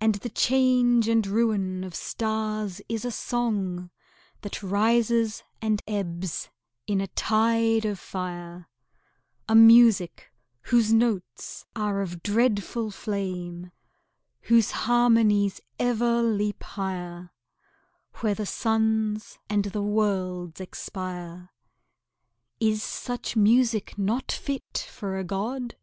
And the change and ruin of stars is a song That rises and ebbs in a tide of fire A music whose notes are of dreadful flame, Whose harmonies ever leap high'r Where the suns and the worlds expire. Is such music not fit for a god?